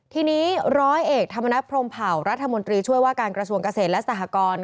ทีนี้ร้อยเอกธรรมนัฐพรมเผารัฐมนตรีช่วยว่าการกระทรวงเกษตรและสหกร